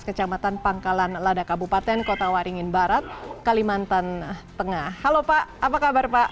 kecamatan pangkalan lada kabupaten kota waringin barat kalimantan tengah halo pak apa kabar pak